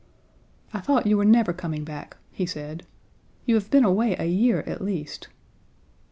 "I thought you were never coming back," he said. "You have been away a year, at least."